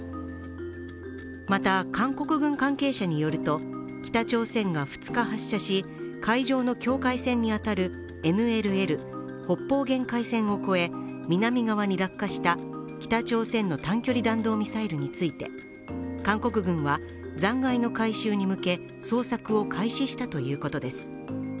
また、韓国軍関係者によると北朝鮮が２日発射し海上の境界線に当たるＮＬＬ＝北方限界線を越え、南側に落下した北朝鮮の短距離弾道ミサイルについて、韓国軍は残骸の回収に向け捜索を開始したということです。